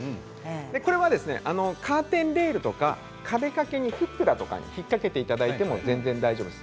これはカーテンレールとか壁掛けとかフックとかに引っ掛けていただいて大丈夫です。